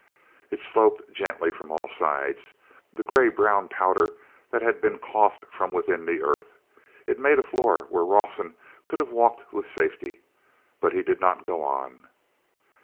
It sloped gently from all sides, the gray brown powder that had been coughed from within the earth. It made a floor where Rawson could have walked with safety. But he did not go on.